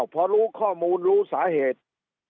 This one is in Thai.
พอรู้ข้อมูลรู้สาเหตุ